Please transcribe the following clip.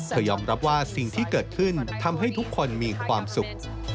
ยอมรับว่าสิ่งที่เกิดขึ้นทำให้ทุกคนมีความสุข